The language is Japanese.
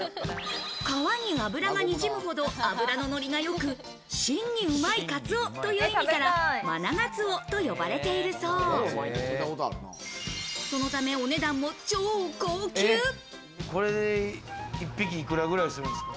皮に脂がにじむほど脂ののりがよく、真にうまいカツオという意味からマナガツオと呼ばれているこれで一匹、幾らぐらいするんですか？